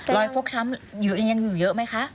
ฟกช้ำยังอยู่เยอะไหมคะ